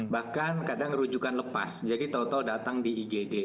bahkan kadang rujukan lepas jadi tau tau datang di igd